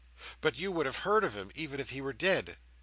But you would have heard of him, even if he were dead!